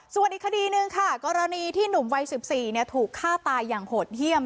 ส่วนอีกคดีหนึ่งค่ะกรณีที่หนุ่มวัย๑๔ถูกฆ่าตายอย่างโหดเยี่ยม